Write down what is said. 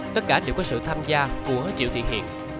tất cả đều có sự tham gia của triệu thị thiệt